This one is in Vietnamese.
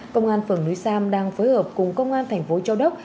công an phường núi sam đang phối hợp cùng công an thành phố châu đốc